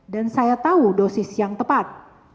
dan saya tahu dosis yang tepat